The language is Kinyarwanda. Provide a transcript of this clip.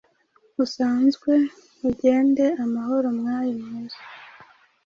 Usanzwe ugende amahoro mwari mwiza,